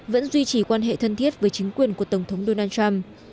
vẫn duy trì quan hệ thân thiết với chính quyền của tổng thống donald trump